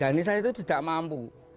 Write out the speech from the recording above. dan saya itu tidak mampu